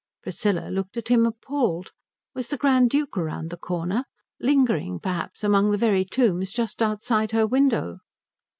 Priscilla looked at him appalled. Was the Grand Duke round the corner? Lingering, perhaps, among the very tombs just outside her window?